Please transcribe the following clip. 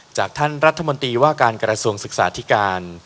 จากท่านรัฐมนตรีว่าการกระทรวงศึกษาธิการ